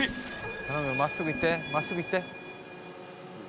「頼むよ真っすぐ行って真っすぐ行って」